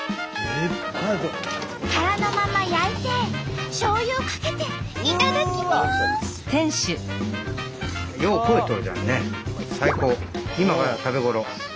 殻のまま焼いてしょうゆをかけていただきます！